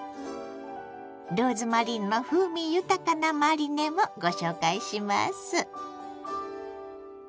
ローズマリーの風味豊かなマリネもご紹介します。